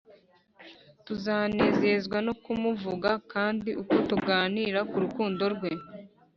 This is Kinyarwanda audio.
. Tuzanezezwa no kumuvuga; kandi uko tuganira ku rukundo Rwe